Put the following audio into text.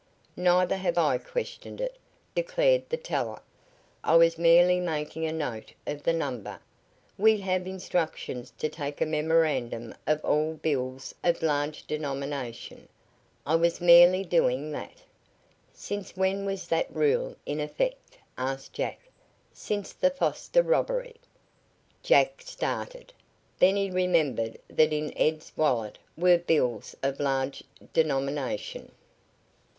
"Neither have I questioned it," declared the teller. "I was merely making a note of the number. We have instructions to take a memorandum of all bills of large denomination. I was merely doing that." "Since when was that rule in effect?" asked Jack. "Since the Foster robbery." Jack started. Then he remembered that in Ed's wallet were bills of large denomination.